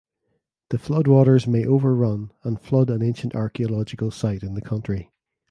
The floodwaters may overrun and flood an ancient archaeological site in the country.